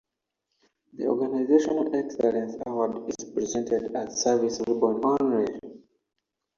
The Organizational Excellence Award is presented as a service ribbon only.